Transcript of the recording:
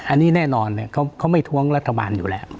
อันนี้แน่นอนเนี่ยเขาไม่ทศรัทธาบันอยู่แล้ว